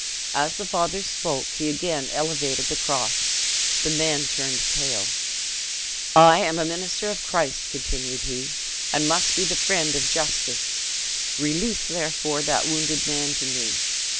As the father spoke, he again elevated the cross: the men turned pale. "I am a minister of Christ," continued he, "and must be the friend of justice. Release, therefore, that wounded man to me.